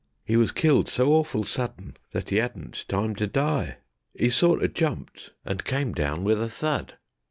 'E was killed so awful sudden that 'e 'adn't time to die. 'E sorto jumped, and came down wiv a thud.